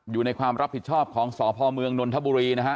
อยู่ในความรับผิดชอบของสพเมืองนนทบุรีนะฮะ